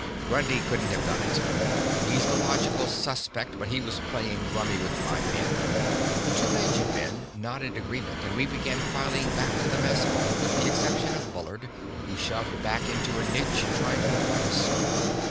"Grundy couldn't have done it. He's the logical suspect, but he was playing rummy with my men." The two engine men nodded agreement, and we began filing back to the mess hall, with the exception of Bullard, who shoved back into a niche, trying to avoid us.